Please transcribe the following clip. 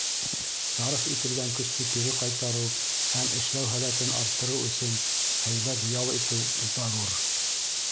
Сарыф ителгән көстө кире ҡайтарыу һәм эшләү һәләтен арттырыу өсөн һәйбәт ял итеү зарур.